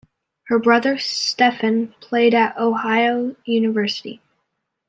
Her brother, Stephen, played at Ohio University.